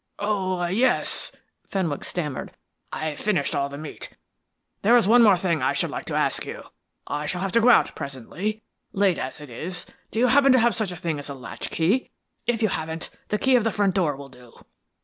"Oh, yes," Fenwick stammered. "I finished all the meat. There is one thing more I should like to ask you. I may have to go out presently, late as it is. Do you happen to have such a thing as a latchkey? If you haven't, the key of the front door will do."